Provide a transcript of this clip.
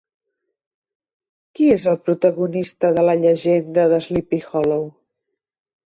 Qui és el protagonista de La llegenda de Sleepy Hollow?